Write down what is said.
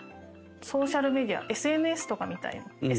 ソーシャルメディア、ＳＮＳとかみたいな。